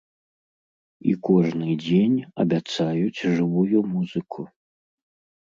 І кожны дзень абяцаюць жывую музыку.